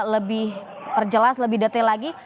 lebih perjelas lebih detail lagi